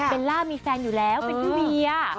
เบลล่ามีแฟนอยู่แล้วเป็นผู้เบียบ